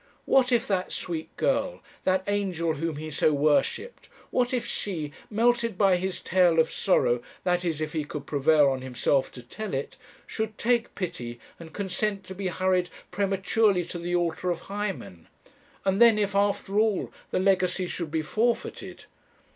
What if that sweet girl, that angel whom he so worshipped, what if she, melted by his tale of sorrow that is, if he could prevail on himself to tell it should take pity, and consent to be hurried prematurely to the altar of Hymen; and then if, after all, the legacy should be forfeited!